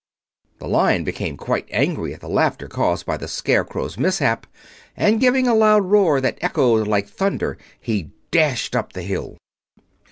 The Lion became quite angry at the laughter caused by the Scarecrow's mishap, and giving a loud roar that echoed like thunder, he dashed up the hill.